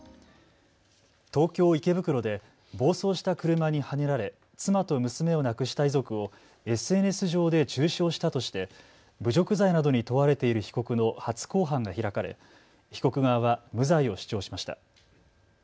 東京池袋で暴走した車にはねられ妻と娘を亡くした遺族をＳＮＳ上で中傷したとして侮辱罪などに問われている被告の初公判が開かれ被告側は無罪を主張しました。